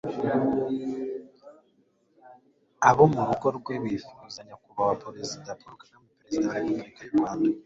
abo mu rugo rwe bifuza, nyakubahwa paul kagame, perezida wa repubulika y'u rwanda